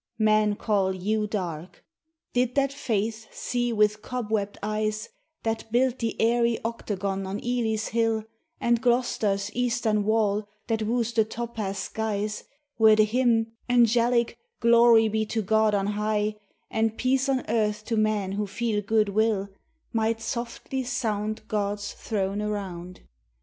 Men call you "dark." Did that faith see with cobwebbed eyes, That built the airy octagon on Ely's hill, And Gloucester's Eastern wall that woos the topaz skies, Where the hymn Angelic "Glory be to God on high, And peace on earth to men who feel good will," Might softly sound God's throne around?